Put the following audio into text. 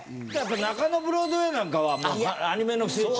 中野ブロードウェイなんかはもうアニメの聖地。